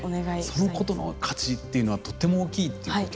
そのことの価値っていうのはとっても大きいっていうこと。